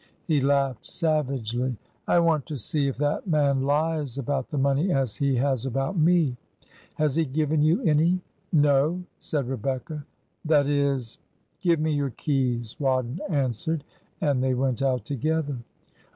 He laughed savagely. 'I want to see if that man lies about the money as he has about me. Has he given you any?' 'No,' said Rebecca. 'That is —' 'Give me your keys,' Rawdon answered, and they went out together.